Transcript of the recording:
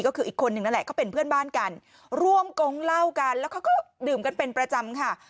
ก็คืออีกคนหนึ่งนั่นแหละเขาเป็นเพื่อนบ้านกันร่วมกงเหล้ากันแล้วเขาก็ดื่มกันเป็นประจำค่ะ